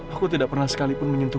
aku tidak pernah sekalipun menyentuh